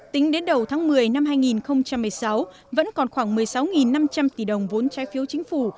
tính đến đầu tháng một mươi năm hai nghìn một mươi sáu vẫn còn khoảng một mươi sáu năm trăm linh tỷ đồng vốn trái phiếu chính phủ